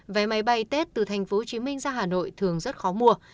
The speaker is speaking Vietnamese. vé máy bay tết từ tp hcm ra hà nội thường rất khó mua